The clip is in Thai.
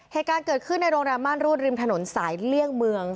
เหตุการณ์เกิดขึ้นในโรงแรมม่านรูดริมถนนสายเลี่ยงเมือง